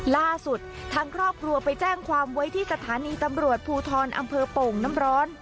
ล่าสุดทางครอบครัวไปแจ้งความไว้ที่สถานีตำรวจภูทรอำเภอโป่งน้ำร้อน